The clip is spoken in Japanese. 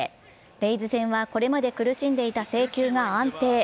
レイズ戦はこれまで苦しんでいた制球が安定。